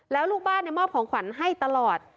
แล้วลูกบ้านมอบของขวัญให้ตลอด